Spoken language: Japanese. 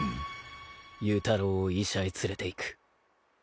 由太郎を医者へ連れていく。